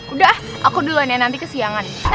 udah aku duluan ya nanti kesiangan